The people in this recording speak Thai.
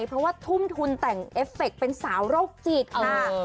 เพราะว่าทุ่มทุนแต่งเอฟเฟคเป็นสาวโรคจิตค่ะ